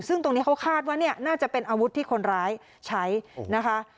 ซึ่งตรงนี้เขาคาดว่าเนี่ยน่าจะเป็นอาวุธที่คนร้ายใช้นะคะ